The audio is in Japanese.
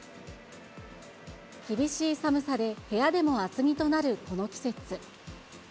厳しい寒さで部屋でも厚着となるこの季節。